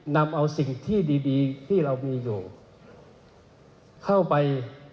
นำเอาสิ่งที่ดีที่เรามีอยู่เข้าไป